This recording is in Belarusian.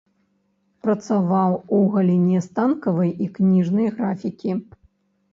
Працаваў у галіне станковай і кніжнай графікі.